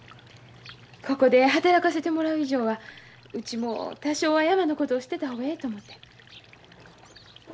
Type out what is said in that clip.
ここで働かせてもらう以上はうちも多少は山のことを知ってた方がええと思って。